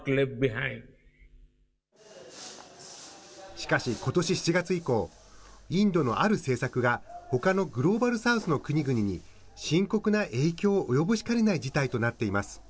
しかしことし７月以降、インドのある政策がほかのグローバル・サウスの国々に深刻な影響を及ぼしかねない事態となっています。